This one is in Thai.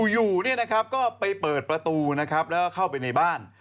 อยู่ก็ไปเปิดประตูนะครับแล้วก็เข้าไปในบ้าน